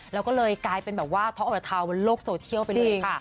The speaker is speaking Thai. แล้วก็เลยกลายเป็นแบบว่าเถาอร่ฐาวงนโลกโซเชียลไป